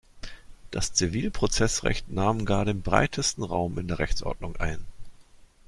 Das Zivilprozessrecht nahm gar den breitesten Raum in der Rechtsordnung ein.